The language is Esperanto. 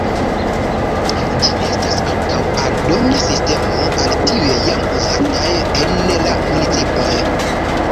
Ĝi estas ankaŭ aldona sistemo al tiuj jam uzataj en la municipoj.